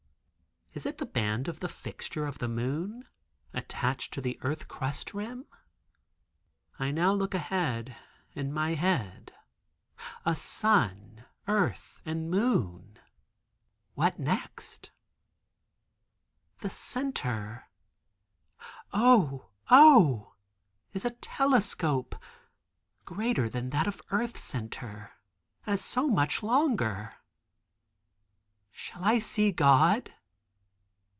Is it the band of the fixture of the moon, attached to the earth crust rim? I now look ahead—in my head—a sun—earth and moon. What next? The tube "O! O!" is a telescope: greater than that of earth center; as so much longer. Shall I see God?